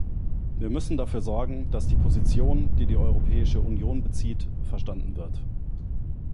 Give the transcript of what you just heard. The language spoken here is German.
Wir müssen dafür sorgen, dass die Position, die die Europäische Union bezieht, verstanden wird.